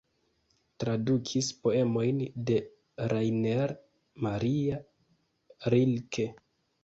Tradukis poemojn de Rainer Maria Rilke.